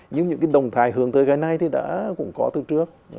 nhưng những cái đồng thái hướng tới cái này thì đã cũng có từ trước